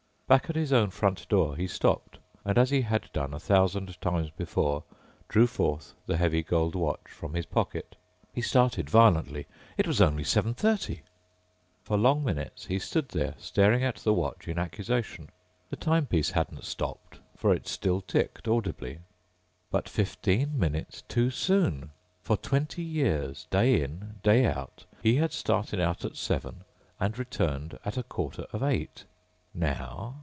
Back at his own front door he stopped and as he had done a thousand times before drew forth the heavy gold watch from his pocket. He started violently. It was only 7:30! For long minutes he stood there staring at the watch in accusation. The timepiece hadn't stopped, for it still ticked audibly. But 15 minutes too soon! For twenty years, day in, day out, he had started out at seven and returned at a quarter of eight. Now....